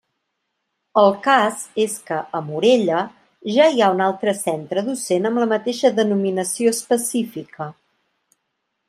El cas és que a Morella ja hi ha un altre centre docent amb la mateixa denominació específica.